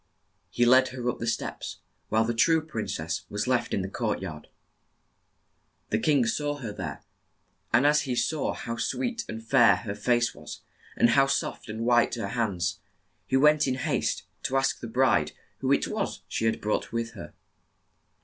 He led her up the steps, while the true prin cess was left in the court yard. The king saw her there, and as he saw how sweet and fair her face was, and how soft and white her hands, he went in haste to ask the bride who it was she had brought with her.